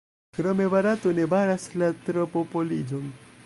Krome Barato ne baras la tropopoliĝon.